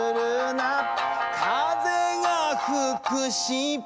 「風が吹くし」